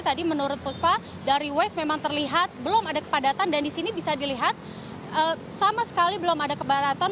tadi menurut puspa dari waste memang terlihat belum ada kepadatan dan di sini bisa dilihat sama sekali belum ada kepadatan